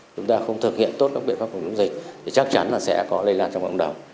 chúng ta không thực hiện tốt các biện pháp phòng chống dịch thì chắc chắn là sẽ có lây lan trong cộng đồng